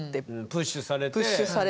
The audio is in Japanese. プッシュされて。